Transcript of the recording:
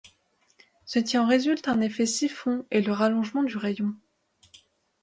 Ce qui en résulte un effet siphon et le rallongement du rayon.